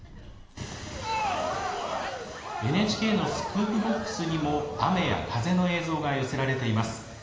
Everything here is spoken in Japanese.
ＮＨＫのスクープＢＯＸにも、雨や風の映像が寄せられています。